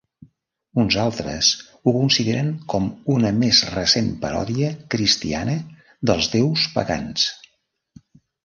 Uns altres ho consideren com una més recent paròdia cristiana dels déus pagans.